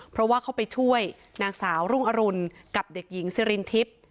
เพราะว่าเขาไปช่วยนางสาวรุ่งอรุณกับเด็กหญิงซิรินทิพย์